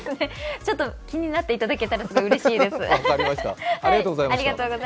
ちょっと気になっていただけたら、すごいうれしいです。